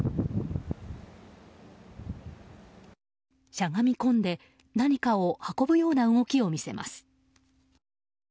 しゃがみ込んで何かを運ぶような動きを見せます。